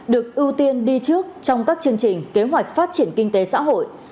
được ưu tiên đi trước trong các chương trình kế hoạch phát triển kinh tế xã hội